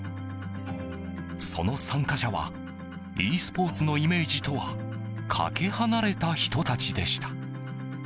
その参加者はｅスポーツのイメージとはかけ離れた人たちでした。